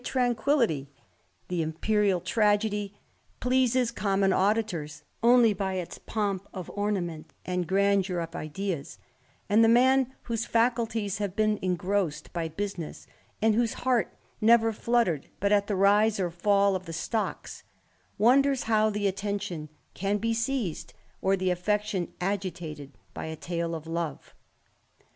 tranquillity; the imperial tragedy pleases common auditots only by its pomp of ornament and grandeur of ideas; and the man whose faculties have been engrossed by business, and whose heart never fluttered but at the rise or fall of the stocks, wonders how the attention can be seized, or the affection agitated, by a tale of love.